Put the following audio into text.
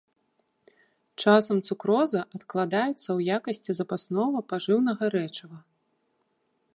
Часам цукроза адкладаецца ў якасці запаснога пажыўнага рэчыва.